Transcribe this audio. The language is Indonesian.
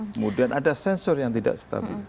kemudian ada sensor yang tidak stabil